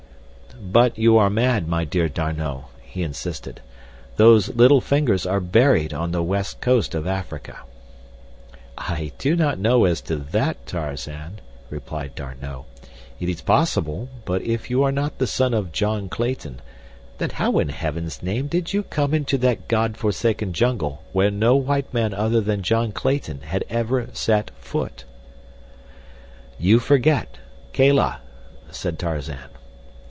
"But you are mad, my dear D'Arnot," he insisted. "Those little fingers are buried on the west coast of Africa." "I do not know as to that, Tarzan," replied D'Arnot. "It is possible, but if you are not the son of John Clayton then how in heaven's name did you come into that God forsaken jungle where no white man other than John Clayton had ever set foot?" "You forget—Kala," said Tarzan.